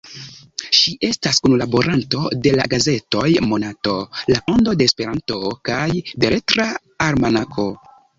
Ŝi estas kunlaboranto de la gazetoj Monato, La Ondo de Esperanto kaj Beletra Almanako.